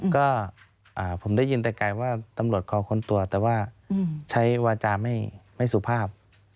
ก็ผมได้ยินแต่ไกลว่าตำรวจขอค้นตัวแต่ว่าใช้วาจาไม่สุภาพ